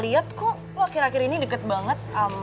ini masih ada rumput kosong kok